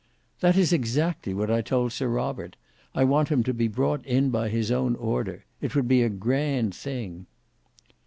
"That is exactly what I told Sir Robert. I want him to be brought in by his own order. It would be a grand thing."